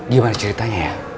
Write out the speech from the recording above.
gimana ceritanya ya